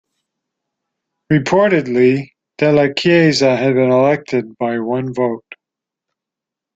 Reportedly Della Chiesa had been elected by one vote.